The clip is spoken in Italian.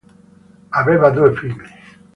Aveva due figli.